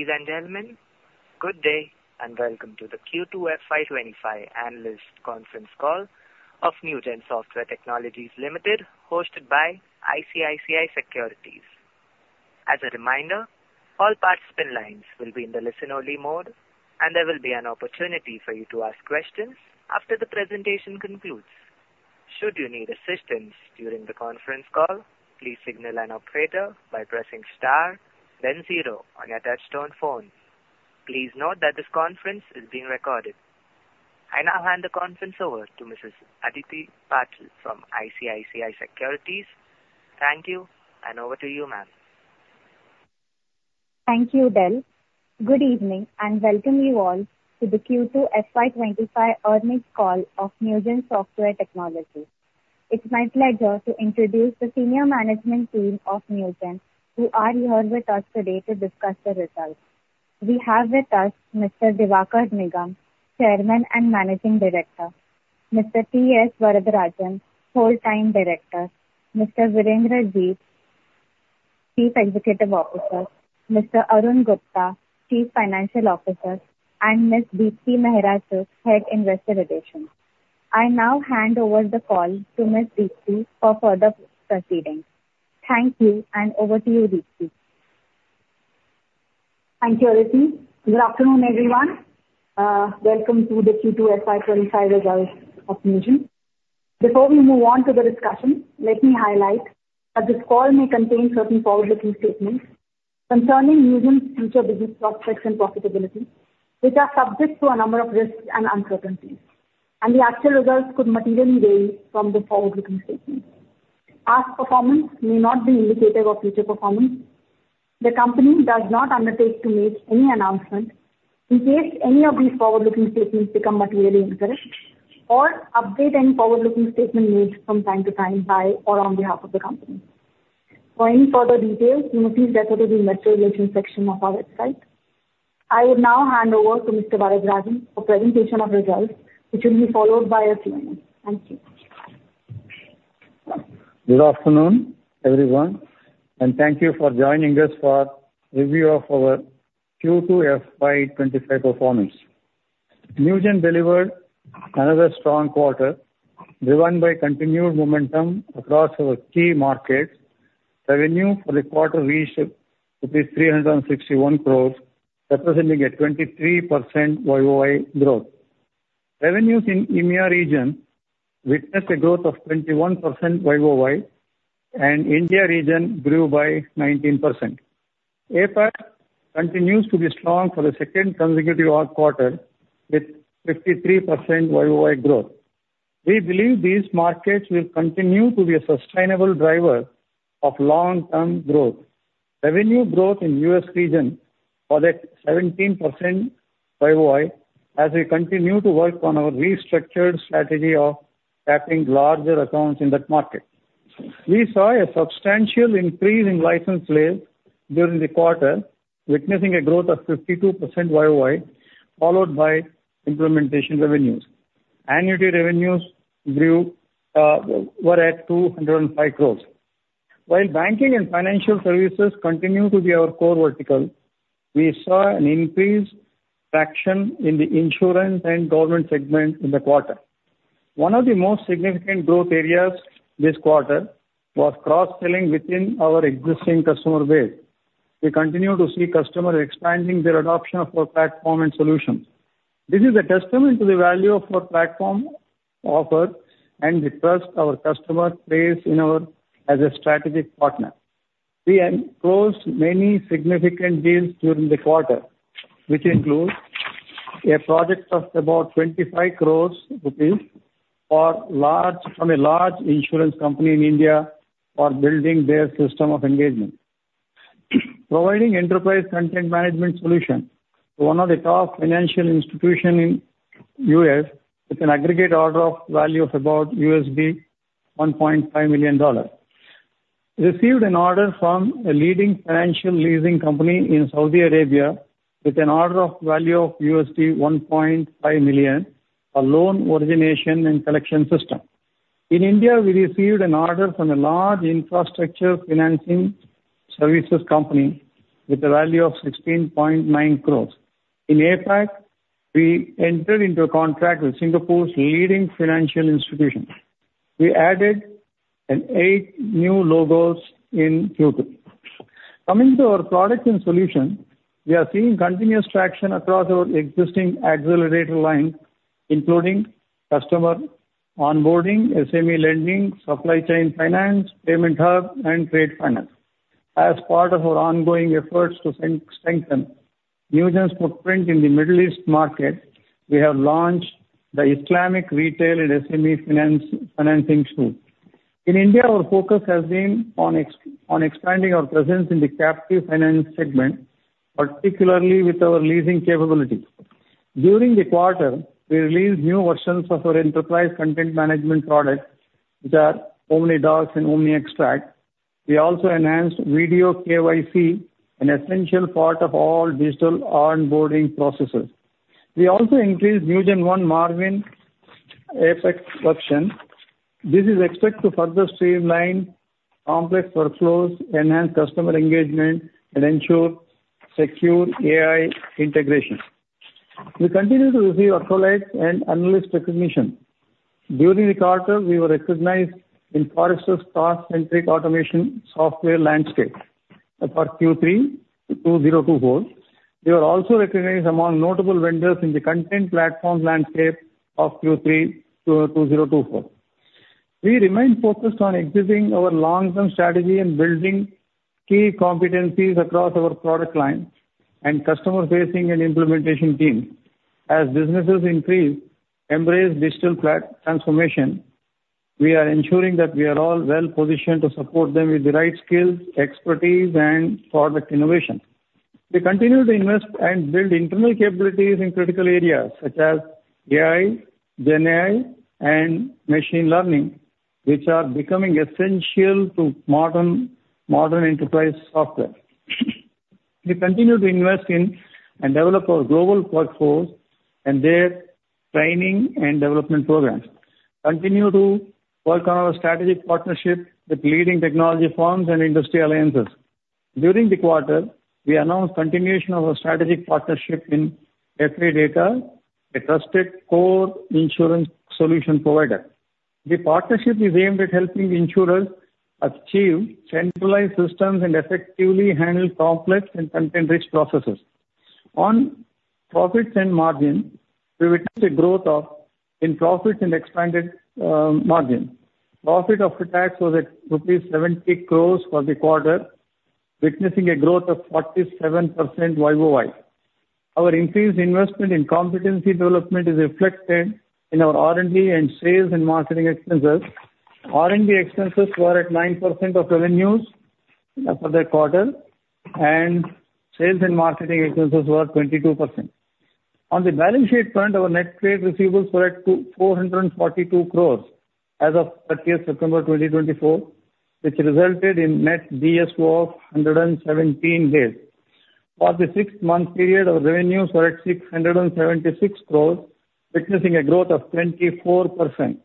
...Ladies and gentlemen, good day, and welcome to the Q2 FY 2025 analyst conference call of Newgen Software Technologies Limited, hosted by ICICI Securities. As a reminder, all participant lines will be in the listen-only mode, and there will be an opportunity for you to ask questions after the presentation concludes. Should you need assistance during the conference call, please signal an operator by pressing star then zero on your touchtone phone. Please note that this conference is being recorded. I now hand the conference over to Mrs. Aditi Patil from ICICI Securities. Thank you, and over to you, ma'am. Thank you, Del. Good evening, and welcome you all to the Q2 FY twenty-five earnings call of Newgen Software Technologies. It's my pleasure to introduce the senior management team of Newgen, who are here with us today to discuss the results. We have with us Mr. Diwakar Nigam, Chairman and Managing Director, Mr. T.S. Varadarajan, Full-Time Director, Mr. Virender Jeet, Chief Executive Officer, Mr. Arun Gupta, Chief Financial Officer, and Ms. Deepti Mehra, Head, Investor Relations. I now hand over the call to Ms. Deepti for further proceedings. Thank you, and over to you, Deepti. Thank you, Aditi. Good afternoon, everyone. Welcome to the Q2 FY 2025 results of Newgen. Before we move on to the discussion, let me highlight that this call may contain certain forward-looking statements concerning Newgen's future business prospects and profitability, which are subject to a number of risks and uncertainties, and the actual results could materially vary from the forward-looking statements. Past performance may not be indicative of future performance. The company does not undertake to make any announcement in case any of these forward-looking statements become materially incorrect or update any forward-looking statement made from time to time by or on behalf of the company. For any further details, you may please refer to the investor relations section of our website. I will now hand over to Mr. Varadarajan for presentation of results, which will be followed by a Q&A. Thank you. Good afternoon, everyone, and thank you for joining us for review of our Q2 FY 2025 performance. Newgen delivered another strong quarter, driven by continued momentum across our key markets. Revenue for the quarter reached rupees 361 crore, representing a 23% YoY growth. Revenues in EMEA region witnessed a growth of 21% YoY, and India region grew by 19%. APAC continues to be strong for the second consecutive quarter, with 53% YoY growth. We believe these markets will continue to be a sustainable driver of long-term growth. Revenue growth in US region was at 17% YoY, as we continue to work on our restructured strategy of tapping larger accounts in that market. We saw a substantial increase in license plays during the quarter, witnessing a growth of 52% YoY, followed by implementation revenues. Annuity revenues grew, were at 205 crore. While banking and financial services continue to be our core vertical, we saw an increased traction in the insurance and government segment in the quarter. One of the most significant growth areas this quarter was cross-selling within our existing customer base. We continue to see customer expanding their adoption of our platform and solutions. This is a testament to the value of our platform offer and the trust our customer place in us a strategic partner. We closed many significant deals during the quarter, which include a project of about 25 crore rupees from a large insurance company in India for building their System of Engagement. Providing Enterprise Content Management solution to one of the top financial institution in U.S., with an aggregate order of value of about $1.5 million. Received an order from a leading financial leasing company in Saudi Arabia with an order value of $1.5 million for Loan Origination and Collection System. In India, we received an order from a large infrastructure financing services company with a value of 16.9 crore. In APAC, we entered into a contract with Singapore's leading financial institutions. We added eight new logos in Q2. Coming to our products and solutions, we are seeing continuous traction across our existing accelerator line, including Customer Onboarding, SME Lending, Supply Chain Finance, Payment Hub, and Trade Finance. As part of our ongoing efforts to strengthen Newgen's footprint in the Middle East market, we have launched the Islamic Retail and SME Financing tool. In India, our focus has been on expanding our presence in the Captive Finance segment, particularly with our leasing capabilities. During the quarter, we released new versions of our Enterprise Content Management products, which are OmniDocs and OmniExtract. We also enhanced Video KYC, an essential part of all digital onboarding processes. We also increased NewgenONE Marvin APEX Edition. This is expected to further streamline complex workflows, enhance customer engagement, and ensure secure AI integration. We continue to receive accolades and analyst recognition. During the quarter, we were recognized in Forrester's Task-Centric Automation Software Landscape for Q3 2024. We were also recognized among notable vendors in the Content Platform Landscape of Q3 2024. We remain focused on executing our long-term strategy and building key competencies across our product lines and customer-facing and implementation teams. As businesses increasingly embrace digital platform transformation, we are ensuring that we are all well positioned to support them with the right skills, expertise, and product innovation. We continue to invest and build internal capabilities in critical areas such as AI, GenAI, and machine learning, which are becoming essential to modern enterprise software. We continue to invest in and develop our global workforce and their training and development programs, continue to work on our strategic partnership with leading technology firms and industry alliances. During the quarter, we announced continuation of our strategic partnership in Fadata, a trusted core insurance solution provider. The partnership is aimed at helping insurers achieve centralized systems and effectively handle complex and content-rich processes. On profits and margin, we witnessed a growth of in profit and expanded margin. Profit after tax was at rupees 70 crore for the quarter, witnessing a growth of 47% YoY. Our increased investment in competency development is reflected in our R&D and sales and marketing expenses. R&D expenses were at 9% of revenues for the quarter, and sales and marketing expenses were 22%. On the balance sheet front, our net trade receivables were at 442 crore as of 30th September 2024, which resulted in net DSO of 117 days. For the sixth month period, our revenues were at 676 crore, witnessing a growth of 24%.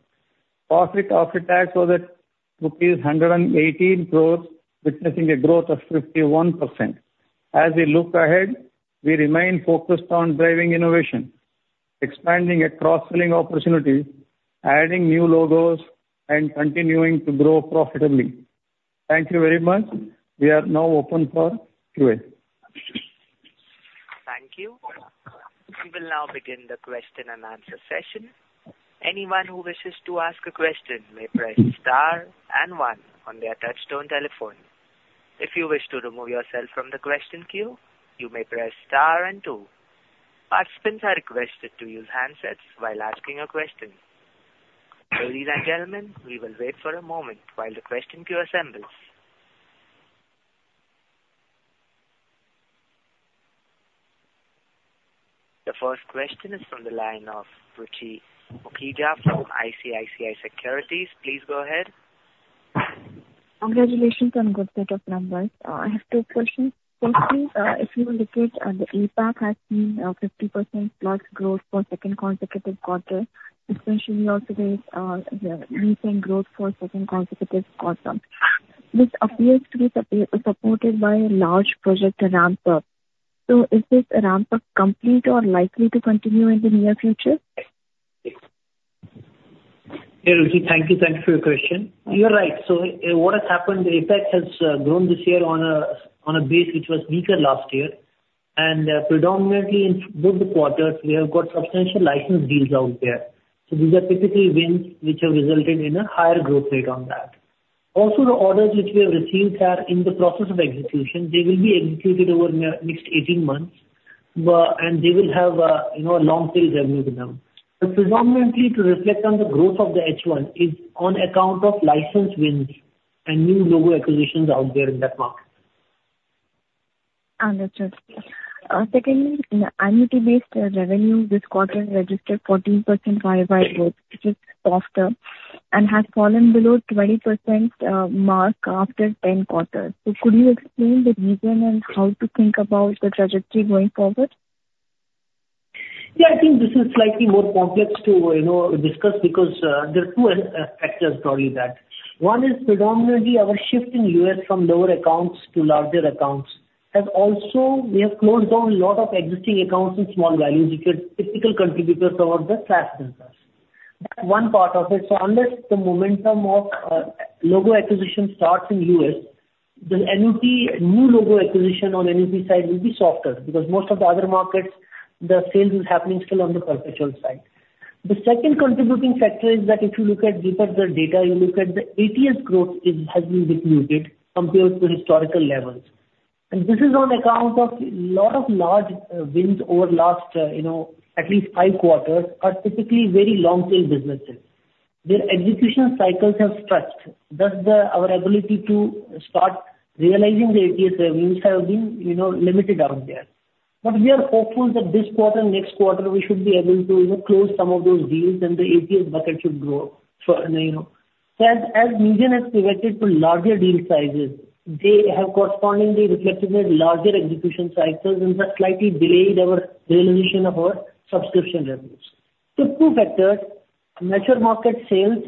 Profit after tax was at rupees 118 crore, witnessing a growth of 51%. As we look ahead, we remain focused on driving innovation, expanding at cross-selling opportunities, adding new logos, and continuing to grow profitably. Thank you very much. We are now open for QA. Thank you. We will now begin the question and answer session. Anyone who wishes to ask a question may press star and one on their touchtone telephone. If you wish to remove yourself from the question queue, you may press star and two. Participants are requested to use handsets while asking a question. Ladies and gentlemen, we will wait for a moment while the question queue assembles. The first question is from the line of Ruchi Mukhija from ICICI Securities. Please go ahead. Congratulations on good set of numbers. I have two questions. Firstly, if you look at the APAC has seen 50% plus growth for second consecutive quarter, especially also this recent growth for second consecutive quarter. This appears to be supported by a large project ramp up. So is this ramp up complete or likely to continue in the near future? Hey, Ruchi, thank you. Thank you for your question. You are right, so what has happened, APAC has grown this year on a base which was weaker last year, and predominantly in both the quarters, we have got substantial license deals out there, so these are typically wins which have resulted in a higher growth rate on that. Also, the orders which we have received are in the process of execution. They will be executed over the next eighteen months, and they will have, you know, a long tail revenue with them, but predominantly to reflect on the growth of the H1 is on account of license wins and new logo acquisitions out there in that market. Understood. Secondly, in the annuity-based revenue this quarter registered 14% YoY growth, which is softer and has fallen below 20% mark after 10 quarters. So could you explain the reason and how to think about the trajectory going forward? Yeah, I think this is slightly more complex to, you know, discuss because, there are two, factors driving that. One is predominantly our shift in U.S. from lower accounts to larger accounts, and also we have closed down a lot of existing accounts in small values, which is typical contributors towards the annuity. That's one part of it. So unless the momentum of, logo acquisition starts in U.S., the annuity, new logo acquisition on annuity side will be softer because most of the other markets, the sales is happening still on the perpetual side. The second contributing factor is that if you look at deeper the data, you look at the ATS growth, it has been muted compared to historical levels. And this is on account of a lot of large wins over the last, you know, at least five quarters, are typically very long-tail businesses. Their execution cycles have stretched. Thus, our ability to start realizing the ATS revenues have been, you know, limited out there. But we are hopeful that this quarter, next quarter, we should be able to, you know, close some of those deals and the ATS bucket should grow for, you know...... So as Newgen has pivoted to larger deal sizes, they have correspondingly reflected in larger execution cycles and have slightly delayed our realization of our subscription revenues. So two factors, mature market sales,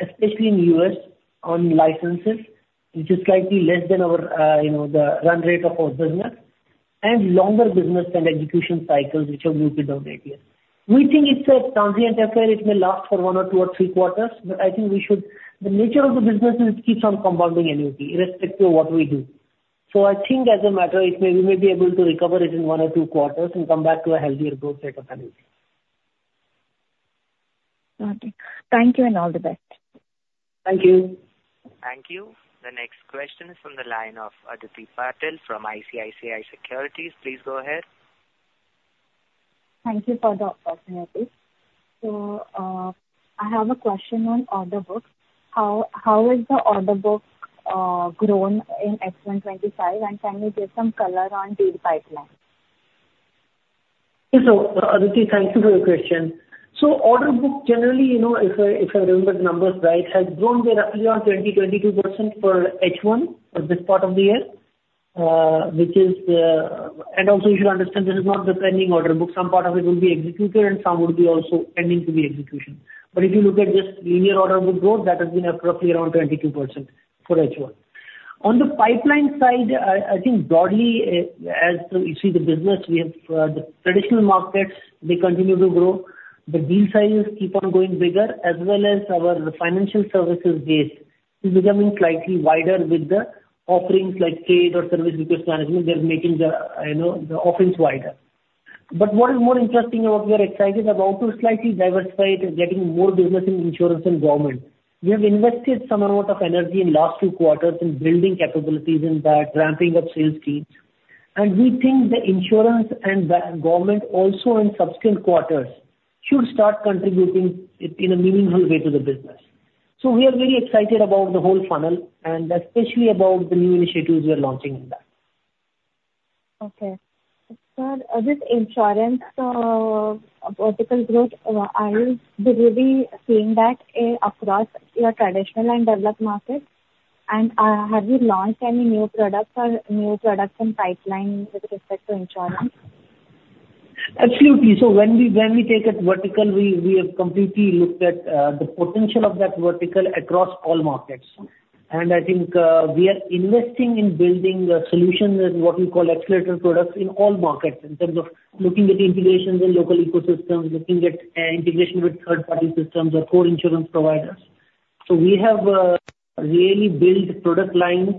especially in US on licenses, which is slightly less than our, you know, the run rate of our business, and longer business and execution cycles, which have moved in over the years. We think it's a transient affair. It may last for one or two or three quarters, but I think we should, the nature of the business is it keeps on compounding annuity, irrespective of what we do. So I think as a matter, it may, we may be able to recover it in one or two quarters and come back to a healthier growth rate of annuity. Okay. Thank you, and all the best. Thank you. Thank you. The next question is from the line of Aditi Patil from ICICI Securities. Please go ahead. Thank you for the opportunity. So, I have a question on order books. How has the order book grown in FY 2025, and can you give some color on deal pipeline? Yes, so, Aditi, thank you for your question, so order book, generally, you know, if I, if I remember the numbers right, has grown roughly around 20, 22% for H1, for this part of the year, which is, and also you should understand this is not the pending order book. Some part of it will be executed and some would be also pending to be execution, but if you look at just linear order book growth, that has been roughly around 22% for H1. On the pipeline side, I, I think broadly, as you see the business, we have, the traditional markets, they continue to grow. The deal sizes keep on going bigger, as well as our financial services base is becoming slightly wider with the offerings like trade or service business management. They're making the, you know, the offerings wider. But what is more interesting and what we are excited about to slightly diversify it, is getting more business in insurance and government. We have invested some amount of energy in last two quarters in building capabilities and by ramping up sales teams. And we think the insurance and the government also in subsequent quarters should start contributing in a meaningful way to the business. So we are very excited about the whole funnel and especially about the new initiatives we are launching in that. Okay. Sir, this insurance vertical growth, are you really seeing that across your traditional and developed markets? And, have you launched any new products in pipeline with respect to insurance? Absolutely, so when we take a vertical, we have completely looked at the potential of that vertical across all markets, and I think we are investing in building solutions and what we call accelerator products in all markets, in terms of looking at integrations and local ecosystems, looking at integration with third-party systems or core insurance providers, so we have really built product lines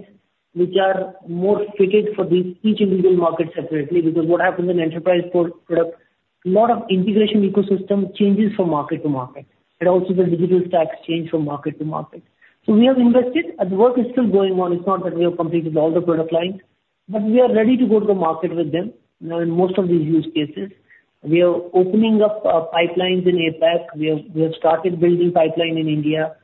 which are more fitted for these each individual market separately. Because what happens in enterprise core product, a lot of integration ecosystem changes from market to market, and also the digital stacks change from market to market, so we have invested, and the work is still going on. It's not that we have completed all the product lines, but we are ready to go to the market with them in most of these use cases. We are opening up pipelines in APAC. We have started building pipeline in India.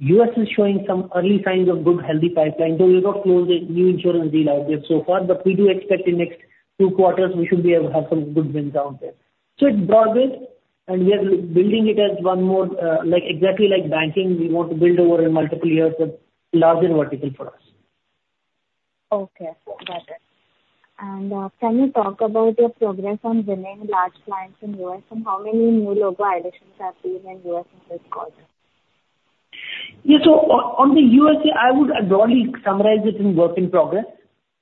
U.S. is showing some early signs of good, healthy pipeline, though we've not closed a new insurance deal out there so far, but we do expect in next two quarters, we should be able to have some good wins out there. So it's broad-based, and we are building it as one more, like, exactly like banking. We want to build over multiple years, a larger vertical for us. Okay. Got it. And, can you talk about your progress on winning large clients in U.S., and how many new logo additions have been in U.S. in this quarter? Yeah. So on the U.S., I would broadly summarize it in work in progress.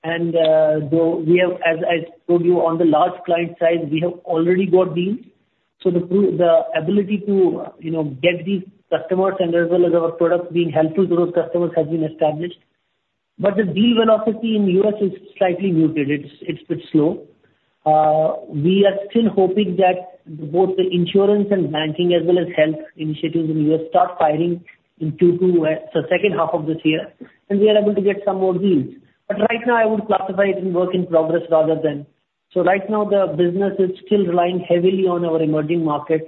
And, though we have, as I told you, on the large client side, we have already got deals. So the ability to, you know, get these customers and as well as our products being helpful to those customers has been established. But the deal velocity in U.S. is slightly muted. It's a bit slow. We are still hoping that both the insurance and banking, as well as health initiatives in U.S., start firing in Q2, so second half of this year, and we are able to get some more deals. But right now, I would classify it in work in progress rather than... Right now, the business is still relying heavily on our emerging markets,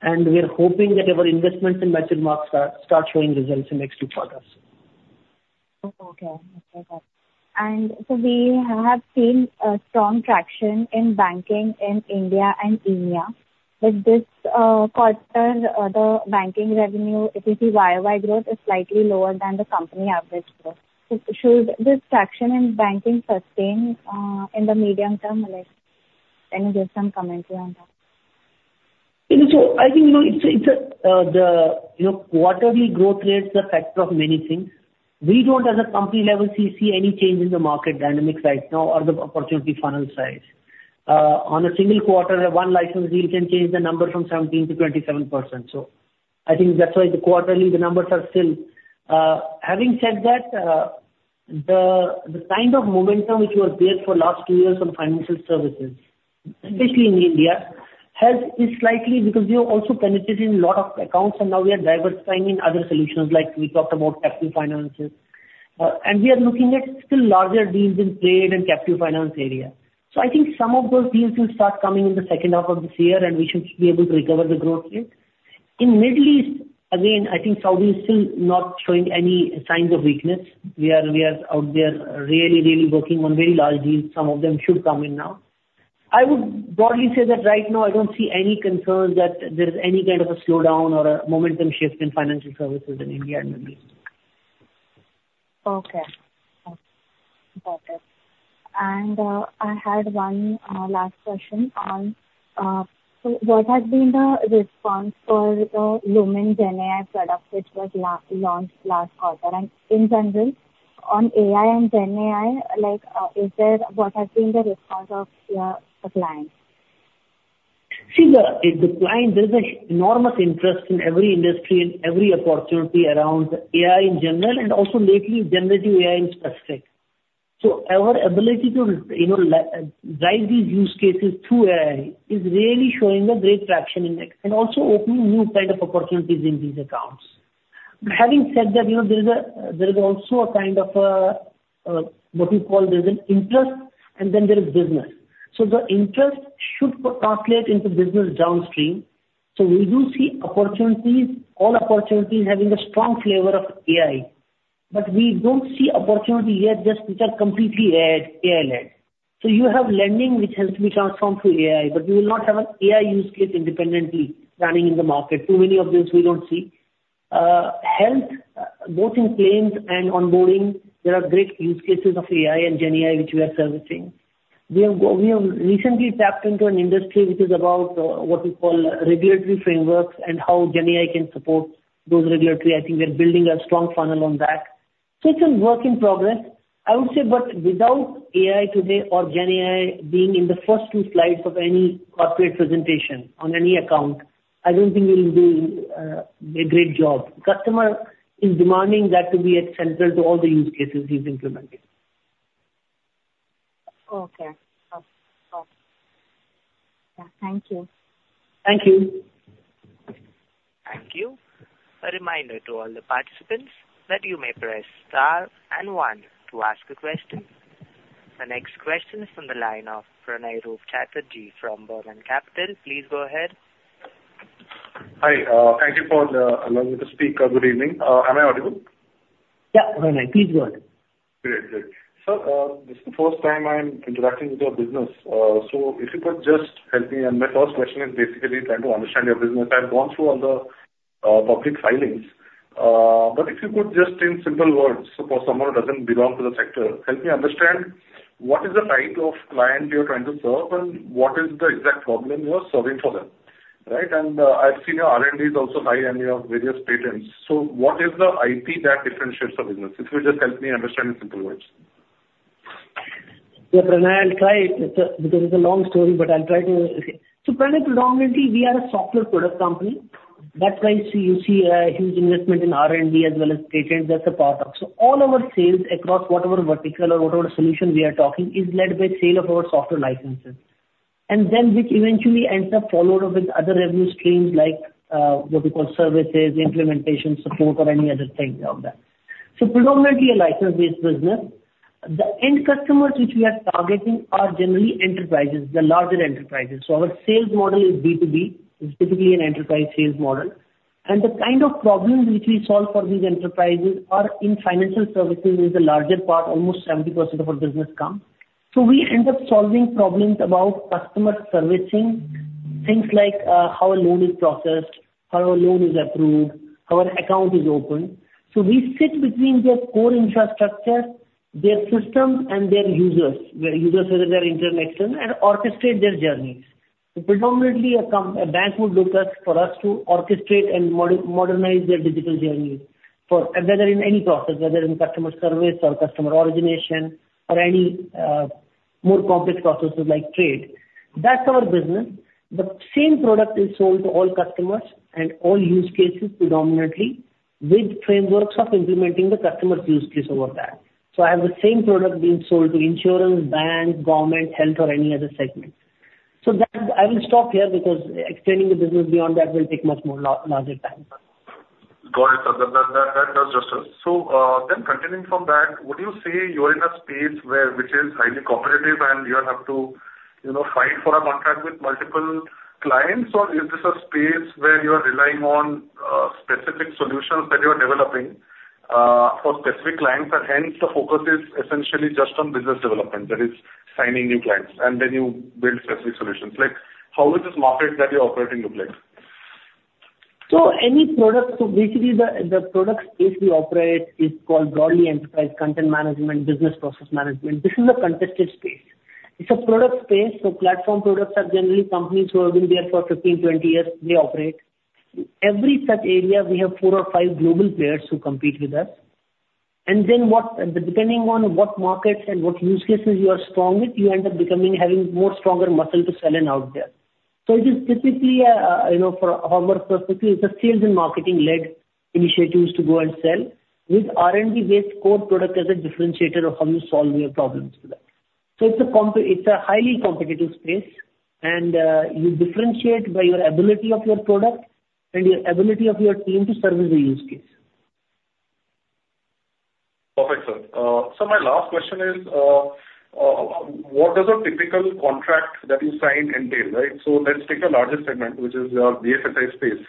and we are hoping that our investments in mature markets start showing results in next two quarters. Okay. Okay, got it. And so we have seen a strong traction in banking in India and EMEA, but this quarter, the banking revenue, if you see YoY growth is slightly lower than the company average growth. So should this traction in banking sustain in the medium term, like, can you give some commentary on that? Yeah. So I think, you know, it's a quarterly growth rate is a factor of many things. We don't, as a company level, see any change in the market dynamics right now or the opportunity funnel size. On a single quarter, one license deal can change the number from 17% to 27%. So I think that's why the quarterly, the numbers are still... Having said that, the kind of momentum which was there for last two years on financial services, especially in India, has been slightly because we have also penetrated in a lot of accounts and now we are diversifying in other solutions, like we talked about Captive Finance. And we are looking at still larger deals in trade and Captive Finance area. So I think some of those deals will start coming in the second half of this year, and we should be able to recover the growth rate. In Middle East, again, I think Saudi is still not showing any signs of weakness. We are out there really, really working on very large deals. Some of them should come in now. I would broadly say that right now I don't see any concerns that there is any kind of a slowdown or a momentum shift in financial services in India and the Middle East. Okay. And I had one last question on so what has been the response for the Lumen GenAI product which was launched last quarter? And in general, on AI and GenAI, like, what has been the response of your clients? See, the client, there's an enormous interest in every industry and every opportunity around AI in general, and also lately, generative AI in specific. So our ability to, you know, drive these use cases through AI is really showing a great traction in it, and also opening new kind of opportunities in these accounts. Having said that, you know, there's also a kind of a, what you call, there's an interest, and then there is business. So the interest should translate into business downstream. So we do see opportunities, all opportunities having a strong flavor of AI, but we don't see opportunity yet just which are completely AI, AI-led. So you have lending which has to be transformed through AI, but you will not have an AI use case independently running in the market. Too many of those we don't see. Health, both in claims and onboarding, there are great use cases of AI and GenAI which we are servicing. We have recently tapped into an industry which is about what we call regulatory frameworks and how GenAI can support those regulatory. I think we are building a strong funnel on that. So it's a work in progress, I would say, but without AI today or GenAI being in the first two slides of any corporate presentation on any account, I don't think we will do a great job. Customer is demanding that to be at central to all the use cases we've implemented. Okay. Okay, okay. Yeah, thank you. Thank you. Thank you. A reminder to all the participants that you may press Star and One to ask a question. The next question is from the line of Pranay Roop Chatterjee from Burman Capital. Please go ahead. Hi, thank you for allowing me to speak. Good evening. Am I audible? Yeah, Pranay, please go ahead. Great. Great. Sir, this is the first time I'm interacting with your business. So if you could just help me, and my first question is basically trying to understand your business. I've gone through all the public filings, but if you could just in simple words, for someone who doesn't belong to the sector, help me understand what is the type of client you're trying to serve and what is the exact problem you are solving for them, right? And, I've seen your R&D is also high and you have various patents, so what is the IP that differentiates your business? If you could just help me understand in simple words. Yeah, Pranay, I'll try. It's a, this is a long story, but I'll try to... Okay. So Pranay, predominantly, we are a software product company. That's why you see, you see a huge investment in R&D as well as patents, that's a part of. So all our sales across whatever vertical or whatever solution we are talking, is led by sale of our software licenses. And then which eventually ends up followed up with other revenue streams, like, what we call services, implementation, support, or any other thing of that. So predominantly a license-based business. The end customers which we are targeting are generally enterprises, the larger enterprises. So our sales model is B2B, it's typically an enterprise sales model. And the kind of problems which we solve for these enterprises are in financial services, is the larger part, almost 70% of our business come. So we end up solving problems about customer servicing, things like how a loan is processed, how a loan is approved, how an account is opened. So we sit between their core infrastructure, their systems, and their users, where users whether they're internal, external, and orchestrate their journeys. So predominantly, a bank would look us for us to orchestrate and modernize their digital journey for whether in any process, whether in customer service or customer origination, or any more complex processes like trade. That's our business. The same product is sold to all customers and all use cases predominantly, with frameworks of implementing the customer's use case over there. So I have the same product being sold to insurance, banks, government, health, or any other segment. So that, I will stop here because explaining the business beyond that will take much more larger time. Got it, sir. That does justice. So then continuing from that, would you say you're in a space where which is highly cooperative and you have to, you know, fight for a contract with multiple clients? Or is this a space where you are relying on specific solutions that you are developing for specific clients, and hence the focus is essentially just on business development, that is, signing new clients, and then you build specific solutions? Like, how is this market that you operate in look like? So any product, so basically the product space we operate is called broadly enterprise content management, business process management. This is a contested space. It's a product space, so platform products are generally companies who have been there for 15, 20 years, they operate. Every such area, we have 4 or 5 global players who compete with us. And then what, depending on what markets and what use cases you are strong with, you end up becoming, having more stronger muscle to sell in out there. So it is typically a, you know, for all purposes, it's a sales and marketing led initiatives to go and sell, with R&D-based core product as a differentiator of how you're solving your problems with that. So it's a compa... It's a highly competitive space, and you differentiate by your ability of your product and your ability of your team to service the use case. Perfect, sir, so my last question is, what does a typical contract that you sign entail, right, so let's take the largest segment, which is your BFSI space,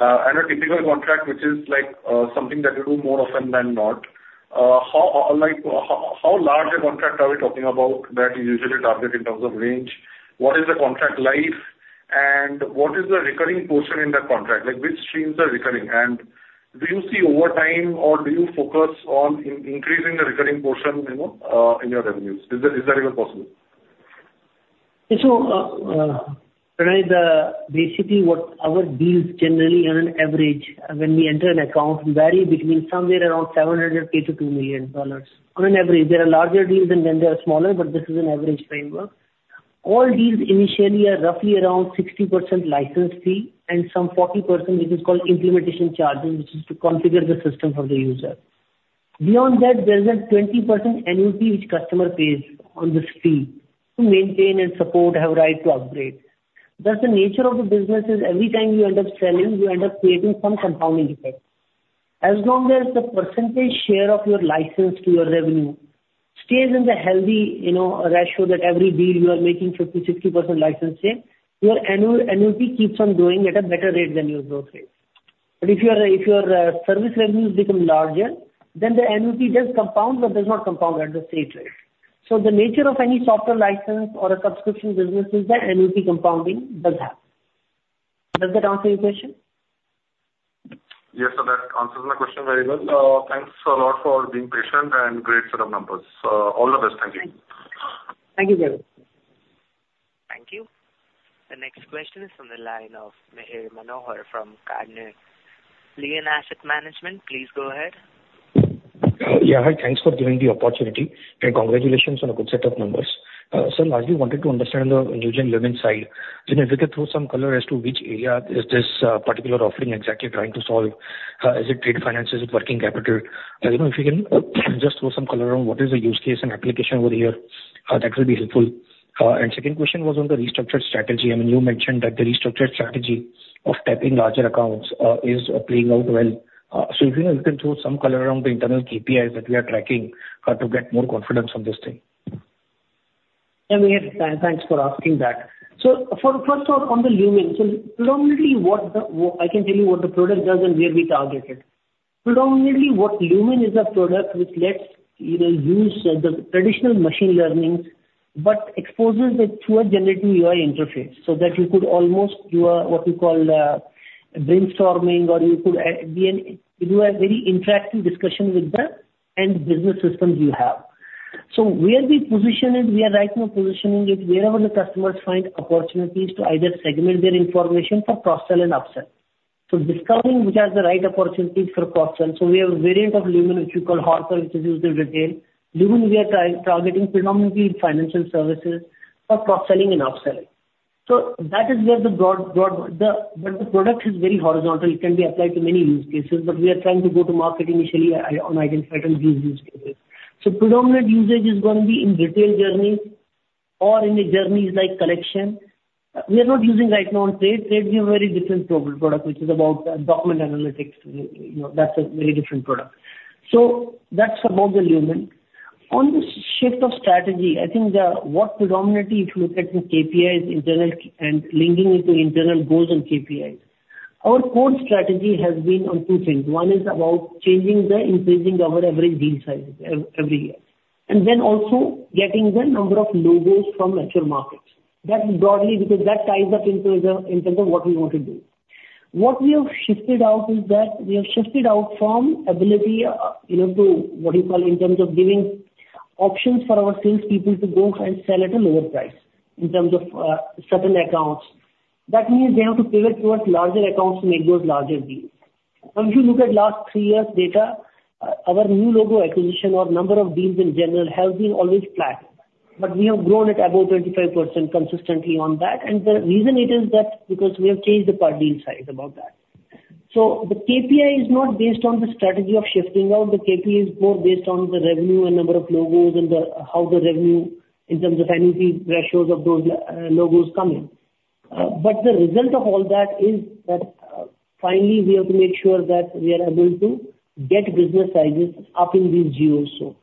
and a typical contract, which is like, something that you do more often than not. How, like, how large a contract are we talking about that you usually target in terms of range? What is the contract life, and what is the recurring portion in that contract? Like, which streams are recurring, and do you see over time or do you focus on increasing the recurring portion, you know, in your revenues? Is that, is that even possible? Yeah, so, right, basically, what our deals generally earn on average, when we enter an account, vary between somewhere around $700,000 to $2 million. On average, there are larger deals and then there are smaller, but this is an average framework. All deals initially are roughly around 60% license fee and some 40%, which is called implementation charges, which is to configure the system for the user. Beyond that, there's a 20% annuity which customer pays on this fee to maintain and support, have right to upgrade. Thus, the nature of the business is every time you end up selling, you end up creating some compounding effect. As long as the percentage share of your license to your revenue stays in the healthy, you know, ratio that every deal you are making 50%-60% license share, your annual annuity keeps on growing at a better rate than your growth rate. But if your, if your, service revenues become larger, then the annuity does compound, but does not compound at the same rate. So the nature of any software license or a subscription business is that annuity compounding does happen. Does that answer your question? Yes, sir, that answers my question very well. Thanks a lot for being patient, and great set of numbers. All the best. Thank you. Thank you, Javid. Thank you. The next question is from the line of Mihir Manohar from Carnelian Asset Management. Please go ahead. Yeah, hi. Thanks for giving the opportunity, and congratulations on a good set of numbers. Sir, largely wanted to understand the Newgen Lumen side. So if you could throw some color as to which area is this particular offering exactly trying to solve? Is it trade finance, is it working capital? You know, if you can just throw some color on what is the use case and application over here, that will be helpful. And second question was on the restructured strategy. I mean, you mentioned that the restructured strategy of tapping larger accounts is playing out well. So if you know you can throw some color around the internal KPIs that we are tracking to get more confidence on this thing. Yeah, thanks for asking that. So first off, on the Lumen, predominantly, I can tell you what the product does and where we target it. Predominantly, what Lumen is a product which lets you know use the traditional machine learning, but exposes it through a generative UI interface. So that you could almost do a what you call brainstorming, or you could do a very interactive discussion with the end business systems you have. So where we position it, we are right now positioning it wherever the customers find opportunities to either segment their information for cross-sell and up-sell. So discovering which has the right opportunities for cross-sell. So we have a variant of Lumen, which we call Hopper, which is used in retail. Lumen, we are targeting predominantly financial services for cross-selling and up-selling. So that is where the broad, but the product is very horizontal. It can be applied to many use cases, but we are trying to go to market initially on these use cases. So predominant usage is going to be in retail journeys or in the journeys like collection. We are not using right now on trade. Trade we have very different product, which is about document analytics. You know, that's a very different product. So that's about the Lumen. On the shift of strategy, I think what predominantly, if you look at the KPIs internal and linking it to internal goals and KPIs, our core strategy has been on two things. One is about changing increasing our average deal sizes every year, and then also getting the number of logos from mature markets. That broadly, because that ties up into the, in terms of what we want to do. What we have shifted out is that we have shifted out from ability, you know, to what you call, in terms of giving options for our salespeople to go and sell at a lower price, in terms of, certain accounts. That means they have to pivot towards larger accounts to make those larger deals. When you look at last three years' data, our new logo acquisition or number of deals in general, has been always flat, but we have grown at about 25% consistently on that. And the reason it is that, because we have changed the per deal size about that. So the KPI is not based on the strategy of shifting out. The KPI is more based on the revenue and number of logos and the, how the revenue in terms of annuity ratios of those, logos come in. But the result of all that is that, finally, we have to make sure that we are able to get business sizes up in these geos too.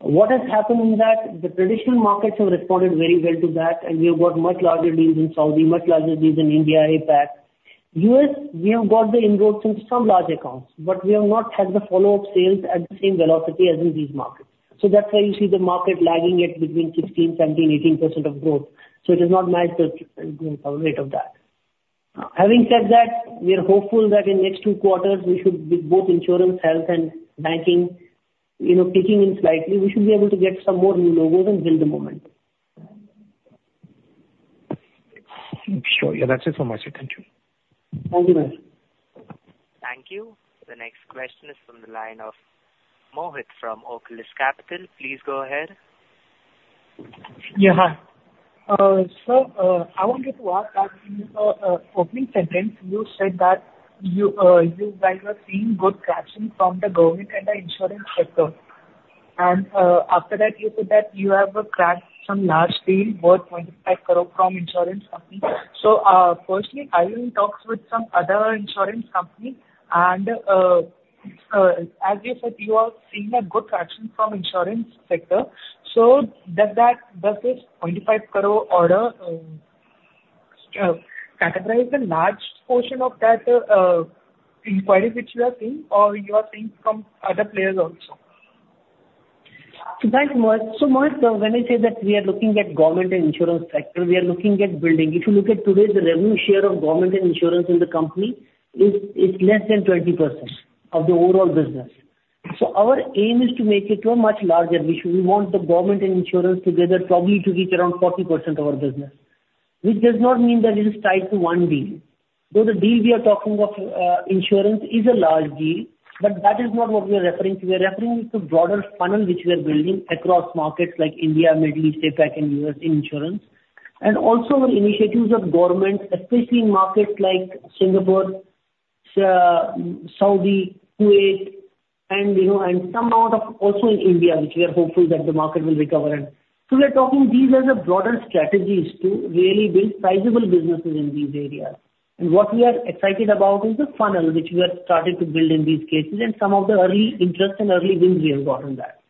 What has happened is that the traditional markets have responded very well to that, and we have got much larger deals in Saudi, much larger deals in India, APAC, US, we have got the inroads in some large accounts, but we have not had the follow-up sales at the same velocity as in these markets. So that's why you see the market lagging at between 15, 17, 18% of growth. So it is not matched with, growth rate of that. Having said that, we are hopeful that in next two quarters we should be both insurance, health, and banking, you know, kicking in slightly. We should be able to get some more new logos and build the momentum. Sure. Yeah, that's it from my side. Thank you. Thank you, Mihir. Thank you. The next question is from the line of Mohit from Oculus Capital. Please go ahead. Yeah. Hi, so I wanted to ask that in your opening sentence, you said that you guys are seeing good traction from the government and the insurance sector, and after that, you said that you have cracked some large deal, worth 25 crore from insurance company, so firstly, are you in talks with some other insurance company, and-... As you said, you are seeing a good traction from insurance sector, so does this 25 crore order categorize the large portion of that inquiry which you are seeing, or you are seeing from other players also? So thanks, Mohit. So Mohit, when I say that we are looking at government and insurance sector, we are looking at building. If you look at today's revenue share of government and insurance in the company, is less than 20% of the overall business. So our aim is to make it so much larger, which we want the government and insurance together probably to reach around 40% of our business. Which does not mean that it is tied to one deal. So the deal we are talking of, insurance is a large deal, but that is not what we are referring to. We are referring to the broader funnel which we are building across markets like India, Middle East, APAC, and US insurance. And also the initiatives of government, especially in markets like Singapore, Saudi, Kuwait, and, you know, and some of that also in India, which we are hopeful that the market will recover in. So we are talking these as a broader strategies to really build sizable businesses in these areas. And what we are excited about is the funnel which we are starting to build in these cases, and some of the early interest and early wins we have got in that.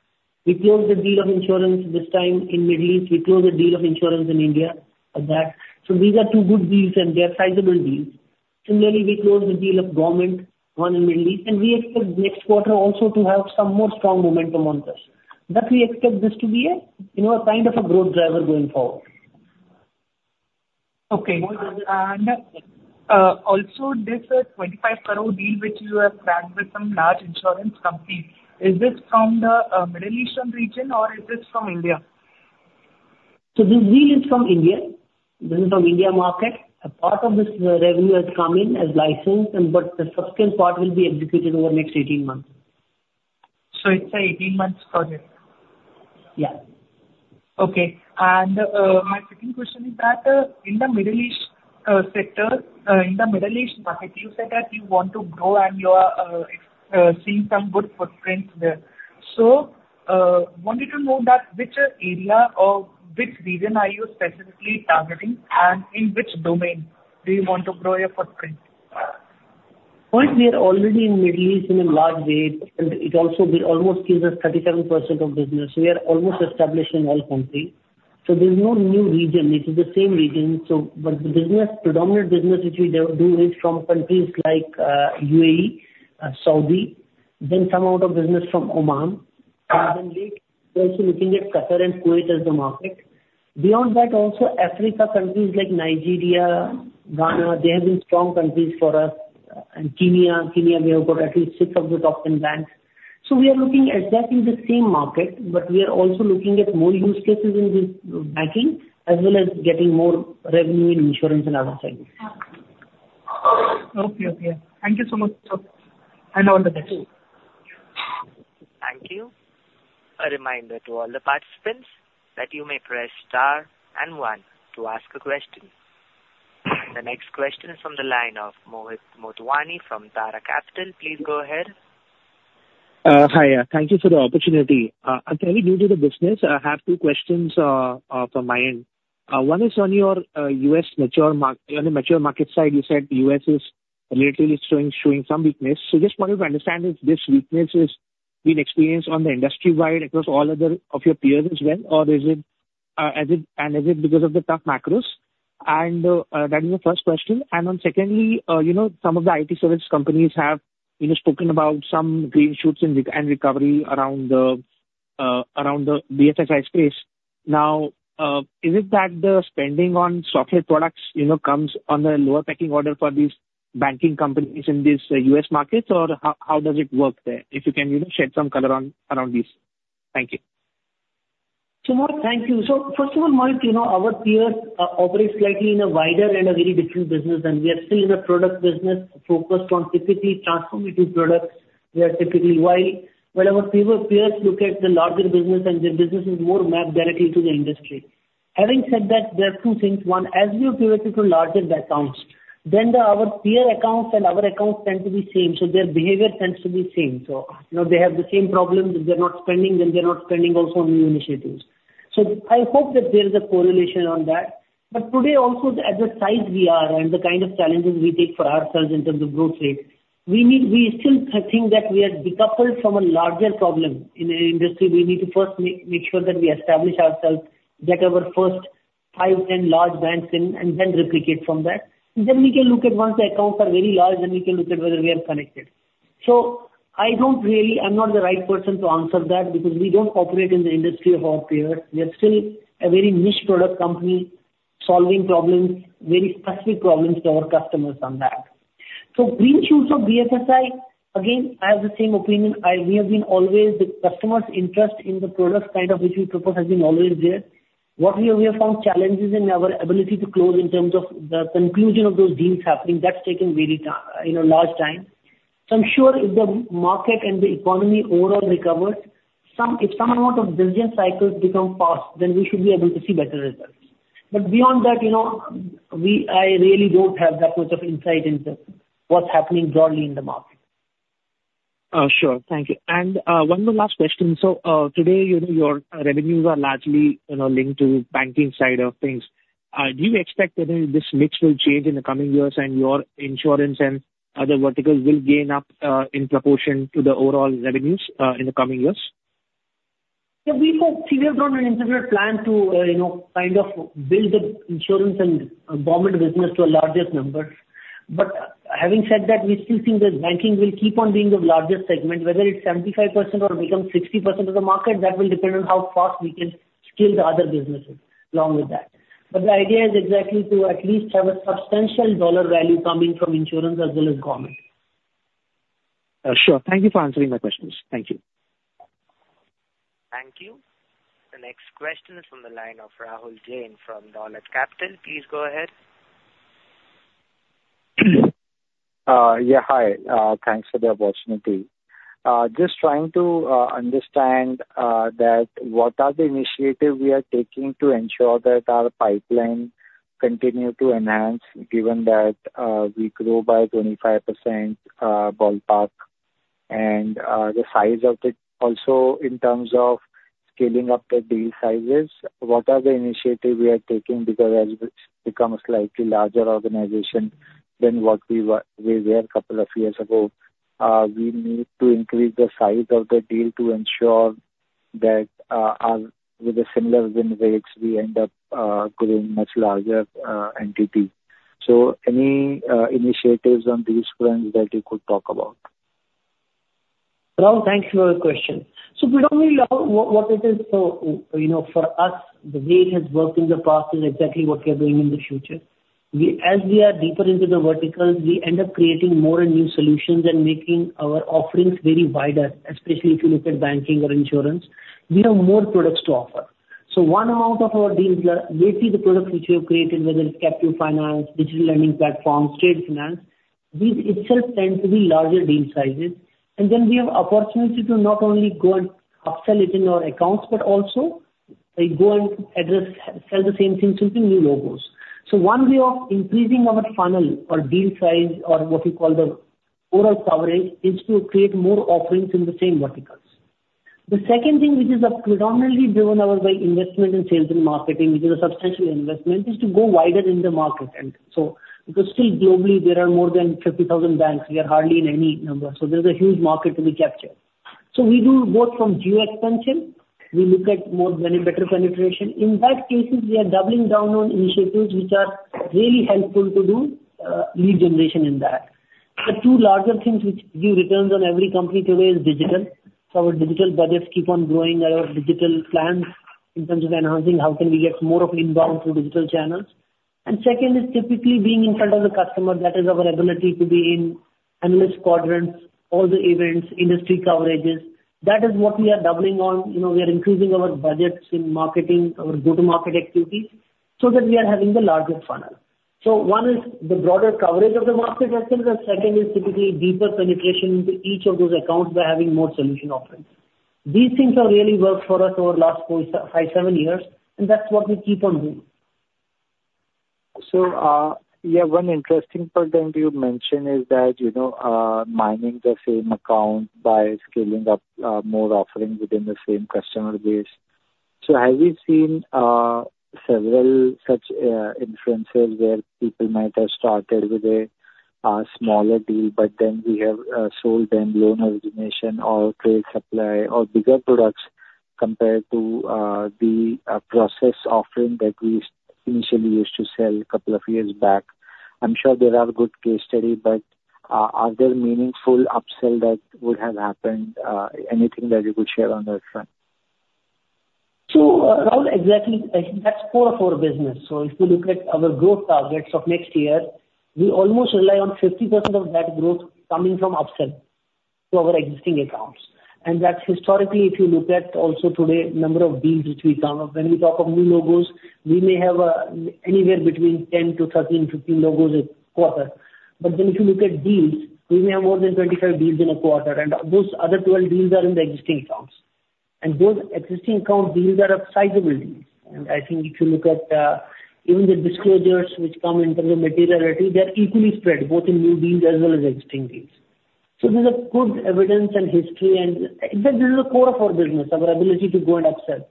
We closed the deal of insurance this time in Middle East. We closed a deal of insurance in India, of that. So these are two good deals, and they are sizable deals. Similarly, we closed the deal of government, one in Middle East, and we expect next quarter also to have some more strong momentum on this. That we expect this to be a, you know, a kind of a growth driver going forward. Okay. And, also this 25 crore deal which you have signed with some large insurance company, is this from the Middle East region or is this from India? This deal is from India. This is from India market. A part of this revenue has come in as license and but the subsequent part will be executed over the next 18 months. So it's an 18-month project? Yeah. Okay. And, my second question is that, in the Middle East sector, in the Middle East market, you said that you want to grow and you are seeing some good footprints there. So, wanted to know that which area or which region are you specifically targeting, and in which domain do you want to grow your footprint? Mohit, we are already in Middle East in a large way, and it also almost gives us 37% of business. We are almost established in all countries. So there's no new region, it is the same region. So but the business, predominant business, which we do, is from countries like UAE, Saudi, then some out of business from Oman. Then we are also looking at Qatar and Kuwait as the market. Beyond that, also, Africa countries like Nigeria, Ghana, they have been strong countries for us, and Kenya. Kenya, we have got at least six of the top ten banks. So we are looking exactly the same market, but we are also looking at more use cases in this banking, as well as getting more revenue in insurance and other services. Okay. Okay. Thank you so much, sir, and all the best. Thank you. A reminder to all the participants that you may press Star and One to ask a question. The next question is from the line of Mohit Motwani from Tara Capital. Please go ahead. Hi, yeah. Thank you for the opportunity. Can you hear me the business? I have two questions from my end. One is on your US mature market side, on the mature market side, you said the US is lately showing some weakness. So just wanted to understand if this weakness has been experienced industry-wide across all other of your peers as well, or is it as it, and is it because of the tough macros? And that is the first question. And secondly, you know, some of the IT service companies have, you know, spoken about some green shoots and recovery around the BFSI space. Now, is it that the spending on software products, you know, comes on a lower pecking order for these banking companies in these US markets, or how, how does it work there? If you can, you know, shed some color on around this. Thank you. So Mohit, thank you. So first of all, Mohit, you know, our peers operate slightly in a wider and a very different business than we are still in a product business focused on typically transformative products where typically while, well, our peers look at the larger business and their business is more mapped directly to the industry. Having said that, there are two things. One, as we are pivoted to larger accounts, then our peer accounts and our accounts tend to be same, so their behavior tends to be same. So, you know, they have the same problems, if they're not spending, then they're not spending also on new initiatives. So I hope that there's a correlation on that. But today also, at the size we are and the kind of challenges we take for ourselves in terms of growth rate, we need. We still think that we are decoupled from a larger problem in the industry. We need to first make sure that we establish ourselves, get our first five, 10 large banks in and then replicate from that. Then we can look at once the accounts are very large, then we can look at whether we are connected. So I don't really... I'm not the right person to answer that, because we don't operate in the industry of our peers. We are still a very niche product company, solving problems, very specific problems to our customers on that. So green shoots of BFSI, again, I have the same opinion. We have been always the customer's interest in the product, kind of which we propose, has been always there. What we have, we have found challenges in our ability to close in terms of the conclusion of those deals happening. That's taken very, you know, large time. So I'm sure if the market and the economy overall recover, some, if some amount of business cycles become fast, then we should be able to see better results. But beyond that, you know, I really don't have that much of insight into what's happening broadly in the market. Sure. Thank you, and one more last question: So, today, you know, your revenues are largely, you know, linked to banking side of things. Do you expect that this mix will change in the coming years, and your insurance and other verticals will gain up in proportion to the overall revenues in the coming years? Yeah, we have seen it on an integrated plan to, you know, kind of build the insurance and government business to a largest number. But having said that, we still think that banking will keep on being the largest segment, whether it's 75% or become 60% of the market, that will depend on how fast we can scale the other businesses along with that. But the idea is exactly to at least have a substantial dollar value coming from insurance as well as government. Sure. Thank you for answering my questions. Thank you. Thank you. The next question is from the line of Rahul Jain from Dolat Capital. Please go ahead. Yeah, hi. Thanks for the opportunity. Just trying to understand what initiatives we are taking to ensure that our pipeline continue to enhance, given that we grow by 25%, ballpark, and the size of it also in terms of scaling up the deal sizes, what initiatives we are taking? Because as it becomes a slightly larger organization than what we were a couple of years ago, we need to increase the size of the deal to ensure that, with the similar win rates, we end up growing much larger entity. So any initiatives on these fronts that you could talk about? Rahul, thank you for your question. So predominantly, what it is for, you know, for us, the way it has worked in the past is exactly what we are doing in the future. We, as we are deeper into the verticals, we end up creating more and new solutions and making our offerings very wider, especially if you look at banking or insurance. We have more products to offer. So one amount of our deals are basically the products which we have created, whether it's Captive Finance, digital lending platform, trade finance. These itself tend to be larger deal sizes. And then we have opportunity to not only go and upsell it in our accounts, but also, we go and address, sell the same thing to the new logos. So one way of increasing our funnel or deal size or what we call the overall coverage, is to create more offerings in the same verticals. The second thing, which is predominantly driven our way, investment in sales and marketing, which is a substantial investment, is to go wider in the market. And so, because still globally, there are more than 50,000 banks, we are hardly in any number, so there's a huge market to be captured. So we do both from geo expansion, we look at more, many better penetration. In that cases, we are doubling down on initiatives which are really helpful to do, lead generation in that. The two larger things which give returns on every company today is digital. So our digital budgets keep on growing, our digital plans in terms of enhancing, how can we get more of inbound through digital channels? Second is typically being in front of the customer. That is our ability to be in analyst quadrants, all the events, industry coverages. That is what we are doubling on. You know, we are increasing our budgets in marketing, our go-to-market activities, so that we are having the largest funnel. So one is the broader coverage of the market, I think, and second is typically deeper penetration into each of those accounts by having more solution offerings. These things have really worked for us over the last four, five, seven years, and that's what we keep on doing. So, yeah, one interesting point that you mentioned is that, you know, mining the same account by scaling up, more offerings within the same customer base. So have you seen several such influences where people might have started with a smaller deal, but then we have sold them loan origination or trade supply or bigger products, compared to the process offering that we initially used to sell a couple of years back? I'm sure there are good case study, but are there meaningful upsell that would have happened? Anything that you could share on that front? So, Rahul, exactly, that's core of our business. So if you look at our growth targets of next year, we almost rely on 50% of that growth coming from upsell to our existing accounts. And that's historically, if you look at also today, number of deals which we count. When we talk of new logos, we may have, anywhere between 10 to 13, 15 logos a quarter. But then if you look at deals, we may have more than 25 deals in a quarter, and those other 12 deals are in the existing accounts. And those existing account deals are of sizable deals. And I think if you look at, even the disclosures which come in terms of materiality, they're equally spread, both in new deals as well as existing deals. So there's a good evidence and history and that this is the core of our business, our ability to go and upsell.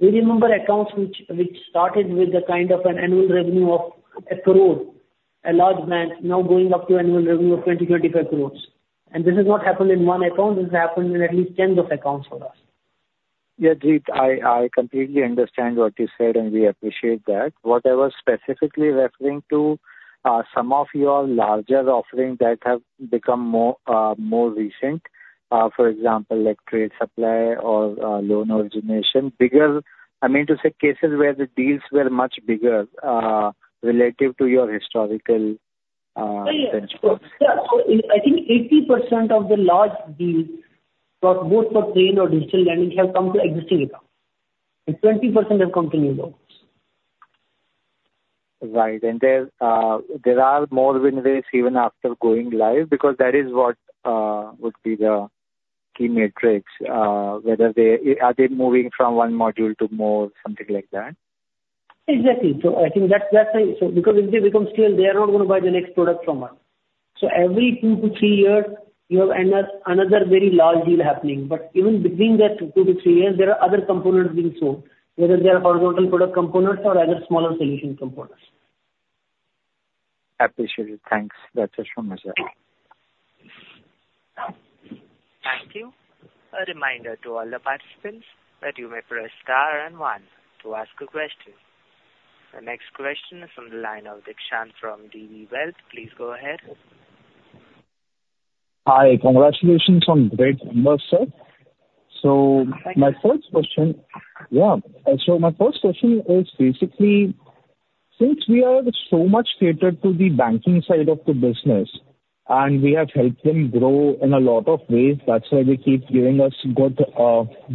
We remember accounts which started with a kind of an annual revenue of a crore, a large bank now going up to annual revenue of 20 crore -25 crore. And this is what happened in one account, this happened in at least tens of accounts for us. Yeah, Jeet, I completely understand what you said, and we appreciate that. What I was specifically referring to, some of your larger offerings that have become more recent, for example, like trade, supply or loan origination. I mean to say cases where the deals were much bigger, relative to your historical benchmarks. Yeah, so I think 80% of the large deals, both for trade or digital lending, have come to existing accounts, and 20% have come to new loans. Right. And there are more win rates even after going live, because that is what would be the key metrics, whether they... are they moving from one module to more, something like that? Exactly. So I think that's, that's it. So because if they become stale, they are not going to buy the next product from us. So every two to three years, you have another very large deal happening, but even between that two to three years, there are other components being sold, whether they are horizontal product components or other smaller solution components. Appreciate it. Thanks. That's it from my side. Thank you. A reminder to all the participants that you may press star and One to ask a question. The next question is from the line of Dikshan from DV Wealth. Please go ahead. Hi. Congratulations on great numbers, sir. So my first question, so my first question is basically, since we are so much catered to the banking side of the business, and we have helped them grow in a lot of ways, that's why they keep giving us good,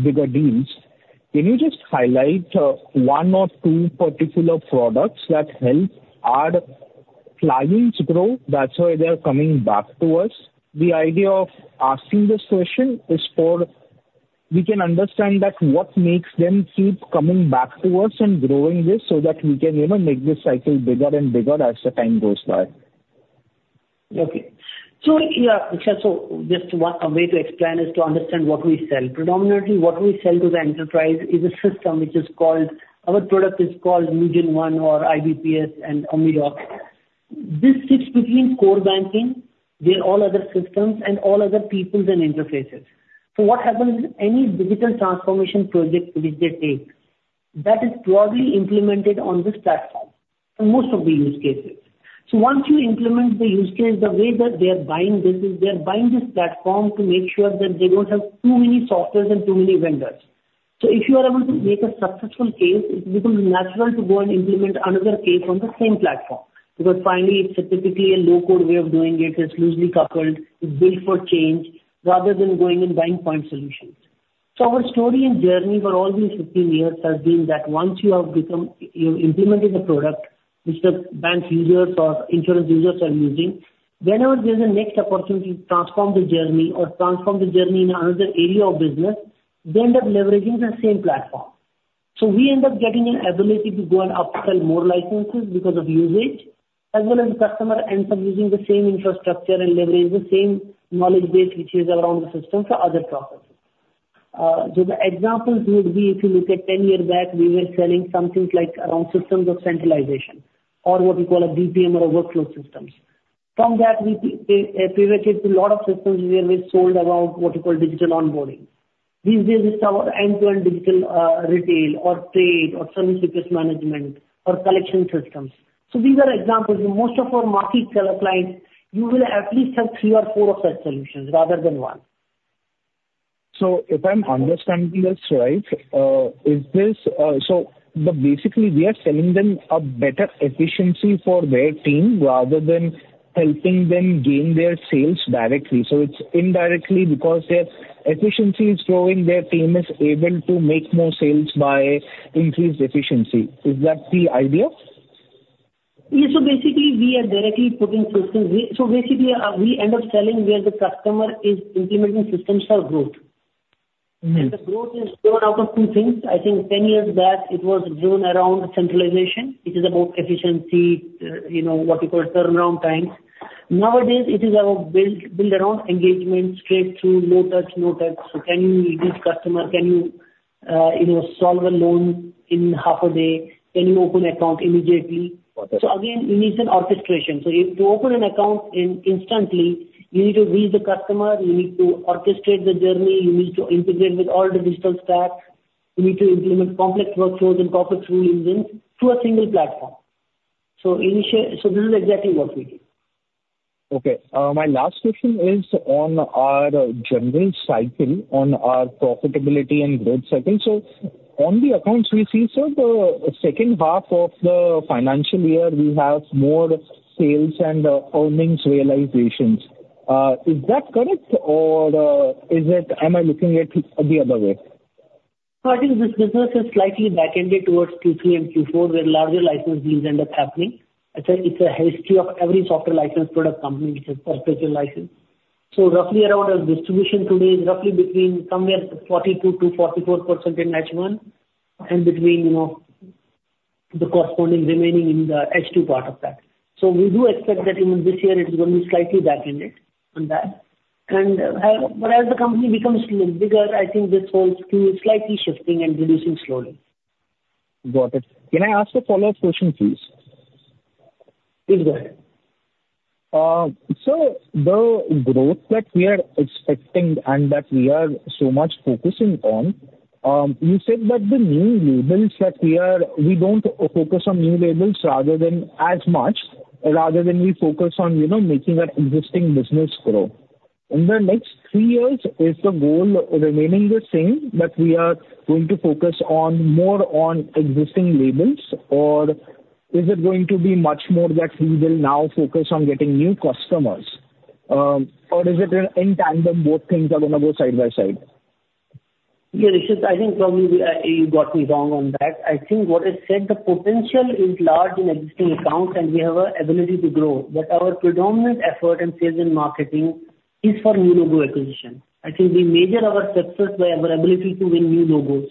bigger deals. Can you just highlight, one or two particular products that help our clients grow, that's why they are coming back to us? The idea of asking this question is for we can understand that what makes them keep coming back to us and growing this, so that we can, you know, make this cycle bigger and bigger as the time goes by. Okay. So, yeah, so just one way to explain is to understand what we sell. Predominantly, what we sell to the enterprise is a system which is called... Our product is called NewgenONE or iBPS and OmniDocs. This sits between core banking, where all other systems and all other people and interfaces. So what happens is, any digital transformation project which they take, that is broadly implemented on this platform, for most of the use cases. Once you implement the use case, the way that they are buying this is they are buying this platform to make sure that they don't have too many softwares and too many vendors. If you are able to make a successful case, it becomes natural to go and implement another case on the same platform, because finally it's typically a low-code way of doing it. It's loosely coupled, it's built for change, rather than going and buying point solutions, so our story and journey for all these 15 years has been that once you have become, you've implemented a product which the bank's users or insurance users are using, whenever there's a next opportunity to transform the journey or transform the journey in another area of business, they end up leveraging the same platform, so we end up getting an ability to go and upsell more licenses because of usage, as well as the customer ends up using the same infrastructure and leverage the same knowledge base, which is around the system for other products, so the examples would be if you look at 10 years back, we were selling some things like around systems of centralization or what we call a BPM or a workflow systems. From that, we pivoted to a lot of systems where we sold around what you call digital onboarding. These days, it's our end-to-end digital, retail or trade or service request management or collection systems. So these are examples. Most of our market, clients, you will at least have three or four of such solutions rather than one. So if I'm understanding this right, is this, so but basically, we are selling them a better efficiency for their team rather than helping them gain their sales directly. So it's indirectly because their efficiency is growing, their team is able to make more sales by increased efficiency. Is that the idea? Yeah, so basically, we are directly putting systems in, so basically, we end up selling where the customer is implementing systems for growth. Mm-hmm. The growth is grown out of two things. I think ten years back it was driven around centralization. It is about efficiency, you know, what you call turnaround times. Nowadays, it is about build around engagement, straight through, low touch, no touch. So can you reach customer? Can you, you know, solve a loan in half a day? Can you open account immediately? Got it. So again, you need an orchestration. So if to open an account instantly, you need to reach the customer, you need to orchestrate the journey, you need to integrate with all the digital stack, you need to implement complex workflows and complex rule engine through a single platform. So this is exactly what we do. Okay. My last question is on our general cycle, on our profitability and growth cycle. So on the accounts, we see, so the second half of the financial year, we have more sales and, earnings realizations. Is that correct, or, is it, am I looking at it the other way? So I think this business is slightly backended towards Q3 and Q4, where larger license deals end up happening. I'd say it's a history of every software license product company which has perpetual license. So roughly around our distribution today is roughly between somewhere 42-44% in H1, and between, you know, the corresponding remaining in the H2 part of that. So we do expect that even this year it's going to be slightly backended on that. And, but as the company becomes bigger, I think this whole queue is slightly shifting and reducing slowly. Got it. Can I ask a follow-up question, please? Please go ahead. So the growth that we are expecting and that we are so much focusing on, you said that we don't focus on new logos as much rather than we focus on, you know, making our existing business grow. In the next three years, is the goal remaining the same, that we are going to focus more on existing logos? Or is it going to be much more that we will now focus on getting new customers? Or is it in tandem, both things are gonna go side by side? Yeah, it's just I think probably you got me wrong on that. I think what I said, the potential is large in existing accounts and we have an ability to grow, but our predominant effort in sales and marketing is for new logo acquisition. I think we measure our success by our ability to win new logos...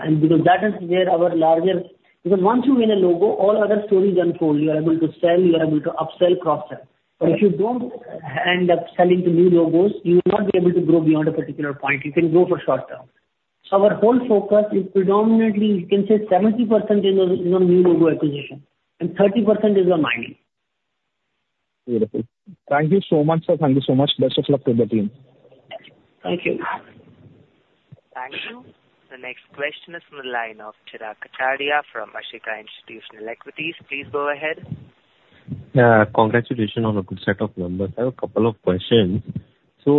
and because that is where our largest because once you win a logo, all other stories unfold. You are able to sell, you are able to upsell, cross-sell. But if you don't end up selling to new logos, you will not be able to grow beyond a particular point. You can grow for short term. So our whole focus is predominantly, you can say 70% is on new logo acquisition and 30% is on mining. Beautiful. Thank you so much, sir. Thank you so much. Best of luck to the team. Thank you. Thank you. The next question is from the line of Chirag Kachhadiya from Ashika Institutional Equities. Please go ahead. Congratulations on a good set of numbers. I have a couple of questions. So,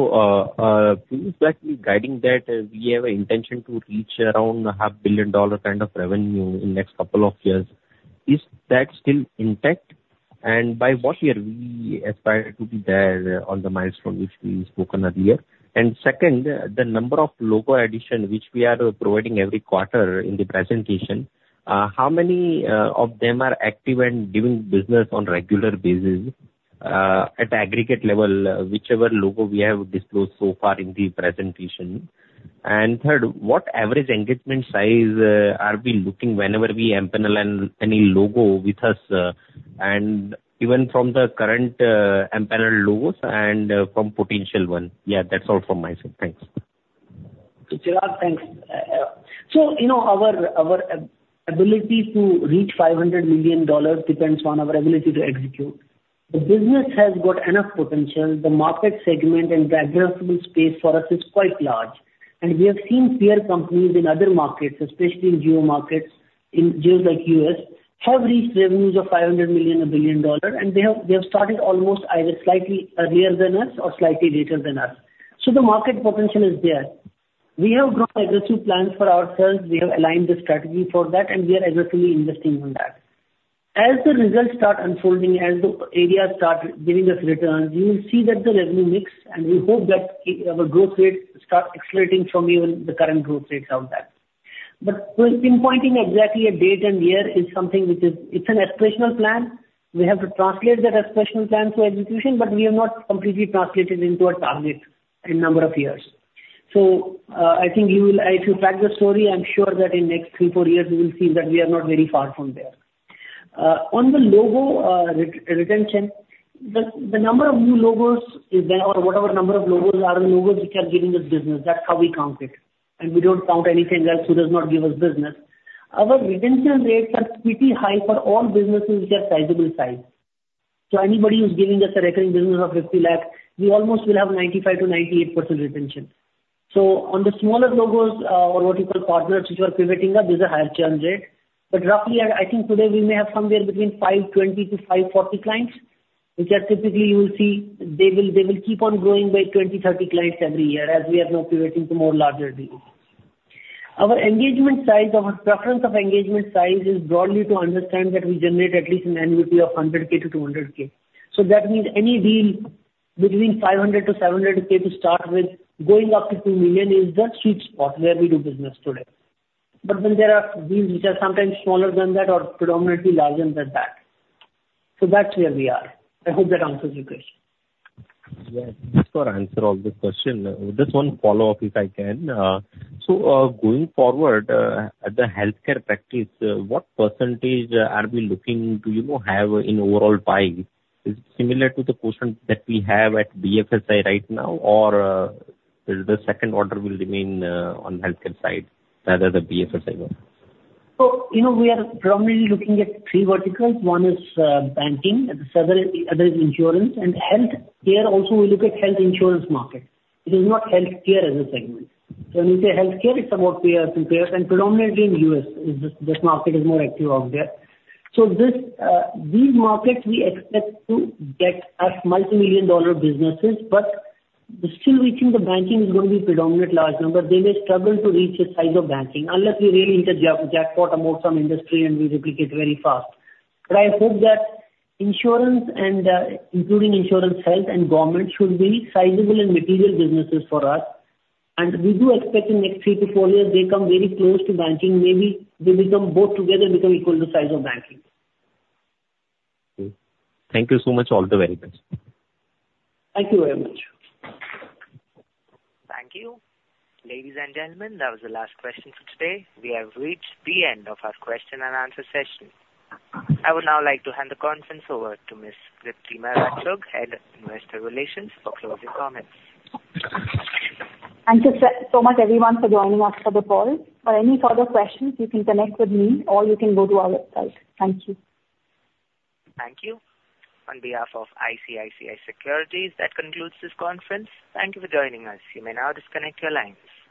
you exactly guiding that we have an intention to reach around $500 million kind of revenue in next couple of years. Is that still intact? And by what year we aspire to be there on the milestone which we spoken earlier? And second, the number of logo addition which we are providing every quarter in the presentation, how many of them are active and doing business on regular basis, at aggregate level, whichever logo we have disclosed so far in the presentation? And third, what average engagement size are we looking whenever we empaneled any logo with us, and even from the current empaneled logos and from potential one? Yeah, that's all from my side. Thanks. So, Chirag, thanks. So you know, our ability to reach $500 million depends on our ability to execute. The business has got enough potential. The market segment and the addressable space for us is quite large, and we have seen peer companies in other markets, especially in geo markets, in geos like U.S., have reached revenues of $500 million, $1 billion, and they have started almost either slightly earlier than us or slightly later than us. So the market potential is there. We have grown aggressive plans for ourselves. We have aligned the strategy for that, and we are aggressively investing on that. As the results start unfolding, as the areas start giving us returns, you will see that the revenue mix, and we hope that our growth rate start accelerating from even the current growth rates out there. But pinpointing exactly a date and year is something which is. It's an aspirational plan. We have to translate that aspirational plan to execution, but we have not completely translated into a target and number of years. So, I think you will. If you track the story, I'm sure that in next three, four years, you will see that we are not very far from there. On the logo retention, the number of new logos is there or whatever number of logos are the logos which are giving us business, that's how we count it, and we don't count anything else who does not give us business. Our retention rates are pretty high for all businesses which are sizable size. So anybody who's giving us a recurring business of 50 lakh, we almost will have 95%-98% retention. So on the smaller logos, or what you call partners which are pivoting up, there's a higher churn rate. But roughly, I think today we may have somewhere between 520-540 clients, which are typically, you will see, they will keep on growing by 20-30 clients every year as we are now pivoting to more larger deals. Our engagement size, our preference of engagement size is broadly to understand that we generate at least an annuity of $100K-$200K. So that means any deal between $500K-$700K to start with, going up to $2 million is the sweet spot where we do business today. But then there are deals which are sometimes smaller than that or predominantly larger than that. So that's where we are. I hope that answers your question. Yes, this will answer all the question. Just one follow-up, if I can. So, going forward, the healthcare practice, what percentage are we looking to, you know, have in overall pie? Is similar to the portion that we have at BFSI right now, or, the second order will remain, on healthcare side rather than BFSI one? You know, we are primarily looking at three verticals. One is banking, and several other is insurance and healthcare. Also we look at health insurance market. It is not healthcare as a segment. When we say healthcare, it's about payers, and predominantly in U.S., this market is more active out there. These markets we expect to get as multimillion dollar businesses, but still we think the banking is going to be predominant, large number. They may struggle to reach the size of banking unless we really hit the jackpot about some industry and we replicate very fast. I hope that insurance, including insurance, health, and government, should be sizable and material businesses for us. We do expect in the next three to four years, they come very close to banking. Maybe they both together become equal to the size of banking. Thank you so much. All the very best. Thank you very much. Thank you. Ladies and gentlemen, that was the last question for today. We have reached the end of our question and answer session. I would now like to hand the conference over to Ms. Deepti Mehra, Head of Investor Relations, for closing comments. Thank you so, so much everyone for joining us for the call. For any further questions, you can connect with me or you can go to our website. Thank you. Thank you. On behalf of ICICI Securities, that concludes this conference. Thank you for joining us. You may now disconnect your lines.